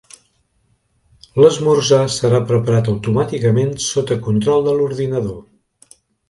L'esmorzar serà preparat automàticament sota control de l'ordinador.